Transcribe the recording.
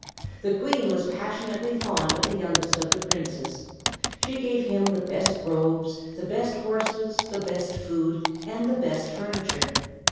The queen was passionately fond of the youngest of the princes. She gave him the best robes, the best horses, the best food, and the best furniture.